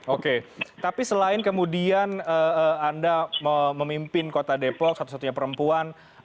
oke tapi selain kemudian anda memimpin kota depok satu satunya perempuan